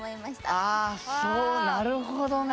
ああそうなるほどね！